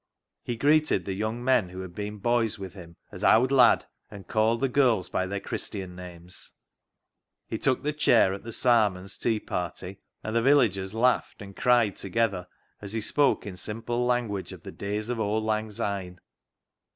He greeted the young men who had been boys with him as " owd lad," and called the girls by their Christian names. He took the chair at the " Sarmons " tea party, and the villagers laughed and cried together as he spoke in simple language of the days of " Auld Lang Syne."